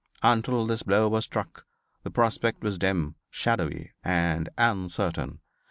Until this blow was struck the prospect was dim, shadowy and uncertain.